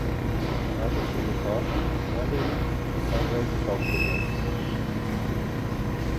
Die Art ist ovipar (eierlegend) und teilweise baumbewohnend.